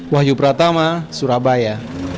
wahyu pratama surabaya